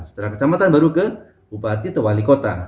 setelah kecamatan baru ke bupati atau wali kota